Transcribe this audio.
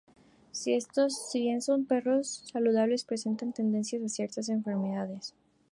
Si bien son perros saludables presentan tendencia a ciertas enfermedades.